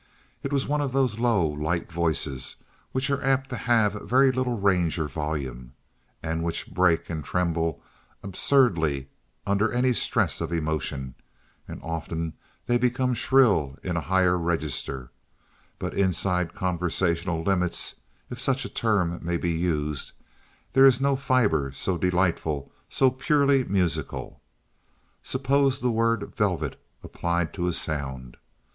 It was one of those low, light voices which are apt to have very little range or volume, and which break and tremble absurdly under any stress of emotion; and often they become shrill in a higher register; but inside conversational limits, if such a term may be used, there is no fiber so delightful, so purely musical. Suppose the word "velvet" applied to a sound.